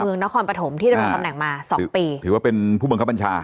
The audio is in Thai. เมืองนครปฐมที่ดำรงตำแหน่งมาสองปีถือว่าเป็นผู้บังคับบัญชา